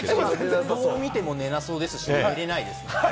どうみても寝なさそうですし、寝れないです。